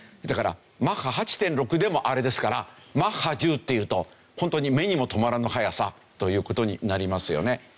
だからマッハ８．６でもあれですからマッハ１０っていうとホントに目にも留まらぬ速さという事になりますよね。